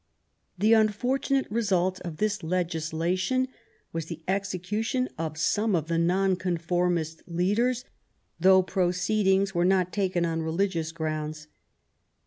The unfortunate result of this legislation was the THE NEW ENGLAND, 267 execution of some of the Nonconformist leaders, though proceedings were not taken on relegious grounds.